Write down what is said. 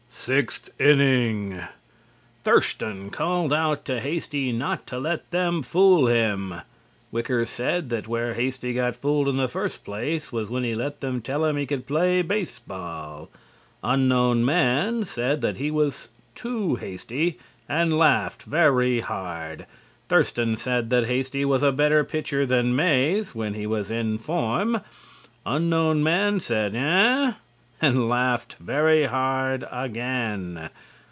SIXTH INNING: Thurston called out to Hasty not to let them fool him. Wicker said that where Hasty got fooled in the first place was when he let them tell him he could play baseball. Unknown man said that he was "too Hasty," and laughed very hard. Thurston said that Hasty was a better pitcher than Mays, when he was in form. Unknown man said "Eah?" and laughed very hard again.